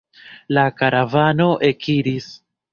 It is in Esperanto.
La karavano ekiris.